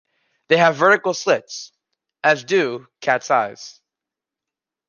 They have vertical slits, as do cats' eyes.